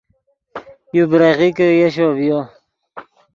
یو بریغیکے یشو ڤیو